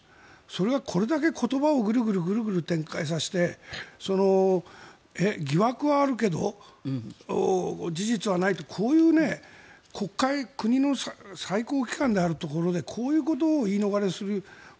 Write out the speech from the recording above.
それが、これだけ言葉をぐるぐる展開させて疑惑はあるけど事実はないってこういう国会国の最高機関であるところでこういうことを言い逃れする。